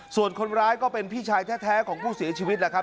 ส่วนคนร้ายก็เป็นพี่ชายแท้ของผู้เสียชีวิตแหละครับ